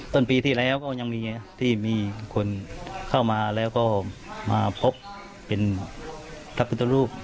ต้นปีที่แล้วก็ยังมีที่มีคนเข้ามาแล้วก็มาพบเป็นพระพุทธรูป